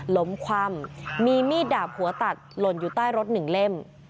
ล้มคว่ำมีมีดดาบหัวตัดหล่นอยู่ใต้รถหนึ่งเล่ม